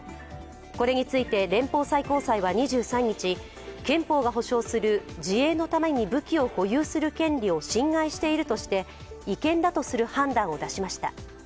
これについて連邦最高裁は２３日憲法が保障する自衛のために武器を保有する権利を侵害しているとして違憲だとする判断を出しました。